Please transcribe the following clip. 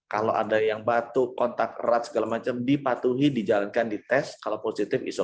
kalau ada yang batuk kontak erat segala macam dipatuhi dijalankan dites kalau positif isolasi